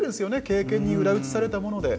経験に裏打ちされたもので。